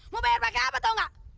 mau bayar pakai apa tau gak